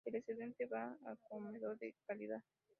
El excedente va a un comedor de caridad.